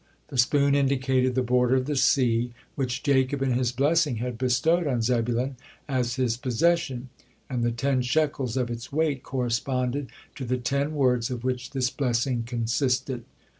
The spoon indicated the border of the sea, which Jacob in his blessing had bestowed on Zebulun as his possession, and the ten shekels of its weight corresponded to the ten words of which this blessing consisted.